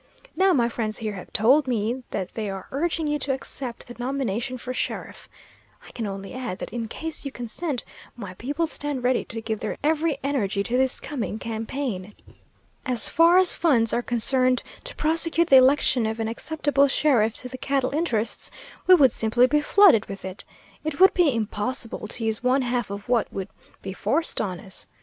Now, my friends here have told me that they are urging you to accept the nomination for sheriff. I can only add that in case you consent, my people stand ready to give their every energy to this coming campaign. As far as funds are concerned to prosecute the election of an acceptable sheriff to the cattle interests, we would simply be flooded with it. It would be impossible to use one half of what would be forced on us.